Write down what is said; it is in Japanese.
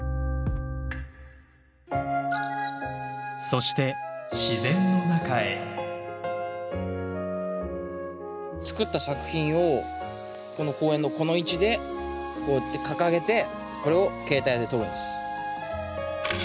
そして作った作品をこの公園のこの位置でこうやって掲げてこれを携帯で撮るんです。